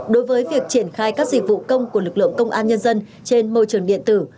đối với việc triển khai các dịch vụ công của lực lượng công an nhân dân trên môi trường điện tử